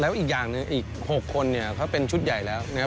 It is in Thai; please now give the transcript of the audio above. แล้วอีกอย่างหนึ่งอีก๖คนเขาเป็นชุดใหญ่แล้วนะครับ